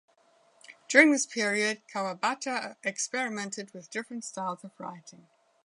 During this period, Kawabata experimented with different styles of writing.